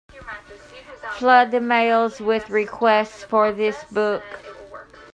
Flood the mails with requests for this book.